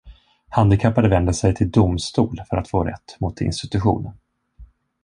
Handikappade vände sig till domstol för att få rätt mot institutionen.